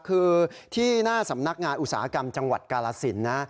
คือที่หน้าสำนักงานอุตสาหกรรมจังหวัดกาลสินนะ